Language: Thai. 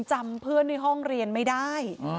เพื่อนในห้องเรียนไม่ได้